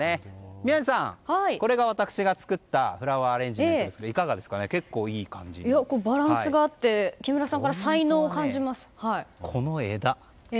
宮司さん、これが私が作ったフラワーアレンジメントですがバランスがあって木村さんからこの枝。